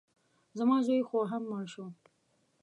زما زوی خو هم مړ شو.